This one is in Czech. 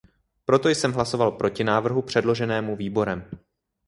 Proto jsem hlasoval proti návrhu předloženému výborem.